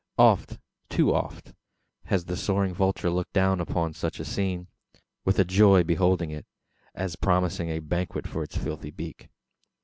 Oft too oft has the soaring vulture looked down upon such a scene with joy beholding it, as promising a banquet for its filthy beak!